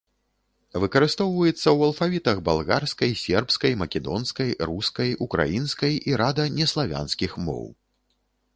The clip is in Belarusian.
Выкарыстоўваецца ў алфавітах балгарскай, сербскай, македонскай, рускай, украінскай і рада неславянскіх моў.